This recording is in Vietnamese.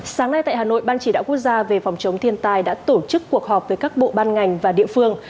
sáng nay tại hà nội ban chỉ đạo quốc gia về phòng chống thiên tai đã tổ chức cuộc họp với các bộ ban ngành và địa phương